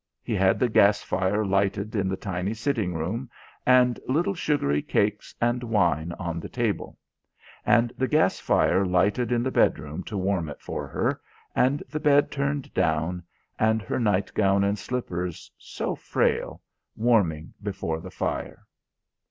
He had the gas fire lighted in the tiny sitting room, and little sugary cakes and wine on the table; and the gas fire lighted in the bedroom to warm it for her, and the bed turned down, and her nightgown and slippers, so frail, warming before the fire.